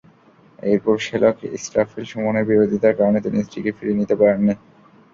এরপর শ্যালক ইসরাফিল সুমনের বিরোধিতার কারণে তিনি স্ত্রীকে ফিরিয়ে নিতে পারেননি।